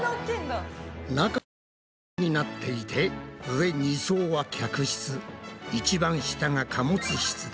中は３層になっていて上２層は客室いちばん下が貨物室だ。